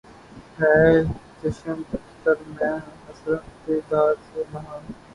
ھے چشم تر میں حسرت دیدار سے نہاں